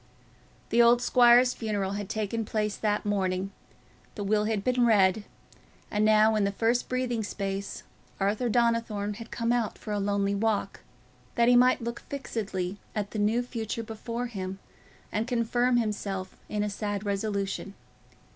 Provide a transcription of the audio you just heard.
The old squire's funeral had taken place that morning, the will had been read, and now in the first breathing space, Arthur Donnithorne had come out for a lonely walk, that he might look fixedly at the new future before him and confirm himself in a sad resolution.